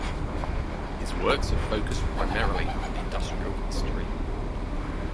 His works have focused primarily on industrial history.